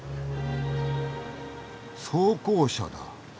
装甲車だ。